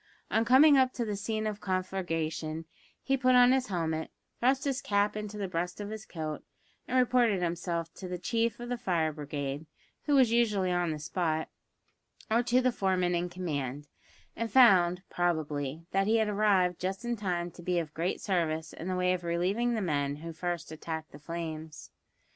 On coming up to the scene of conflagration, he put on his helmet, thrust his cap into the breast of his coat, and reported himself to the chief of the fire brigade (who was usually on the spot), or to the foreman in command, and found, probably, that he had arrived just in time to be of great service in the way of relieving the men who first attacked the flames.